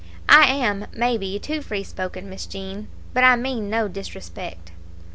I am, maybe, too free spoken, Miss Jean, but I mean no disrespect."